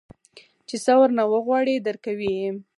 چې سه ورنه وغواړې درکوي يې.